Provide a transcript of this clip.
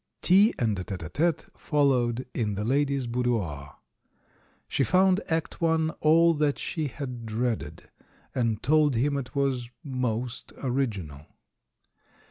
Tea and a tete a tete followed in the lady's boudoir. She found Act I all that she had dreaded, and told him it was most original.